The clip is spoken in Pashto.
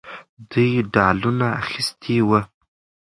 دوی ډالونه اخیستي وو.